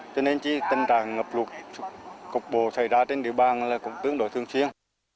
cho nên tình trạng ngập lụt cục bộ xảy ra trên địa bàn là cũng tương đối thường xuyên